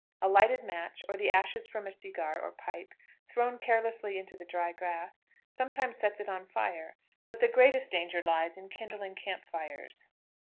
A lighted match, or the ashes from a segar or pipe, thrown carelessly into the dry grass, sometimes sets it on fire; but the greatest danger lies in kindling camp fires.